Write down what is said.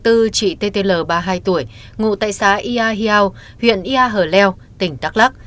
tư trị ttl ba mươi hai tuổi ngụ tại xã ia hiao huyện ia hở leo tỉnh đắk lắk